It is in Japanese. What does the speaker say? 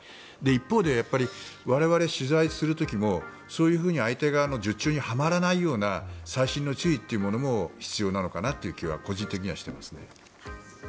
一方で、我々取材する時も相手側の術中にはまらないような細心の注意というのも必要なのかなというのは個人的にしていますね。